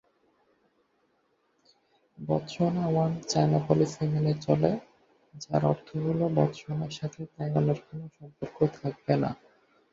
Botswana one China policy মেনে চলে, যার অর্থ হল বতসোয়ানার সাথে তাইওয়ানের কোনো সম্পর্ক থাকবে না।